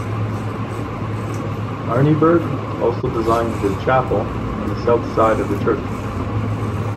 Arneberg also designed the chapel on the south side of the church.